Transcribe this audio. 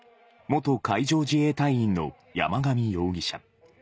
元海上自衛隊員の山上容疑者。